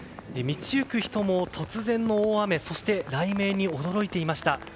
道行く人も突然の大雨そして、雷鳴に驚いていました。